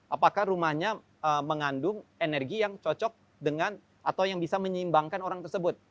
apakah rumahnya mengandung energi yang cocok dengan atau yang bisa menyeimbangkan orang tersebut